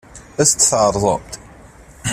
Ad as-t-tɛeṛḍemt?